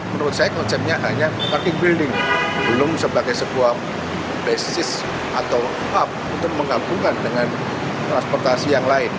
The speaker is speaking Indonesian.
menurut saya konsepnya hanya earty building belum sebagai sebuah basis atau up untuk menggabungkan dengan transportasi yang lain